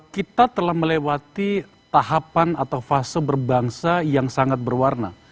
kita telah melewati tahapan atau fase berbangsa yang sangat berwarna